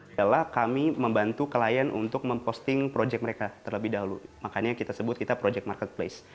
adalah kami membantu klien untuk memposting project mereka terlebih dahulu makanya kita sebut kita project marketplace